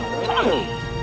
kepada rakyat prabu silimuni